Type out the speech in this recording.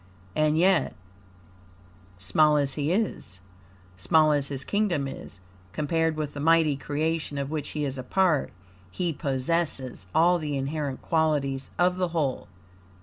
And yet, small as he is, small as his kingdom is, compared with the mighty creation of which he is a part, he possesses all the inherent qualities of the whole.